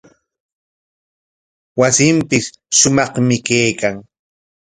Wasinpis shumaqmi kaykan.